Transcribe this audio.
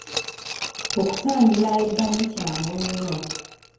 Okutangira ebbanyi kyangu nnyo